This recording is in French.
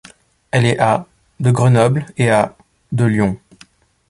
Elle est à de Grenoble et à de Lyon.